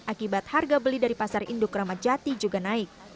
akibat harga beli dari pasar induk ramadjati juga naik